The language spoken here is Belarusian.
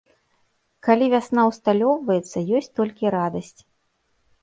Калі вясна ўсталёўваецца, ёсць толькі радасць.